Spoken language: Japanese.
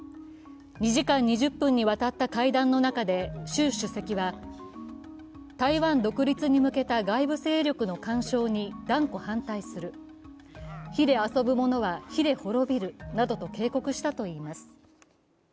２時間２０分にわたった会談の中で習主席は台湾独立に向けた外部勢力の干渉に断固反対する、火で遊ぶ者は火で滅びるなどと警告したといいます。